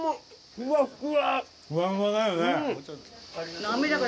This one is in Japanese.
ふわふわだよね。